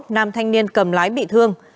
nam thanh niên cầm lái bị thương